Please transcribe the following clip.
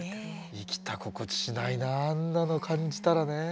生きた心地しないなあんなの感じたらね。